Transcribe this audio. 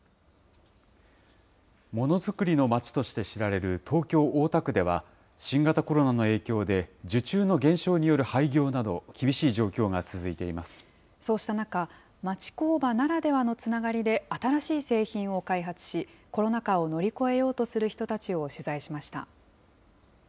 ものづくりの町として知られる東京・大田区では、新型コロナの影響で、受注の減少による廃業など、そうした中、町工場ならではのつながりで新しい製品を開発し、コロナ禍を乗り越えようとする人たちを取材しました。